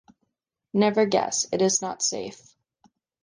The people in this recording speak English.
Never guess—it is not safe;